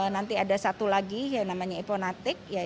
nanti ada satu lagi yang namanya eponatik